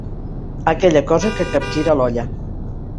Aquella cosa que capgira l'olla.